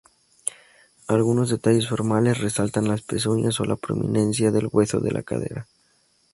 Algunos detalles formales resaltan las pezuñas o la prominencia del hueso de la cadera.